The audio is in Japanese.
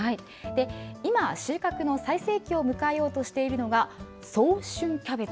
今、収穫の最盛期を迎えようとしているのが、早春キャベツ。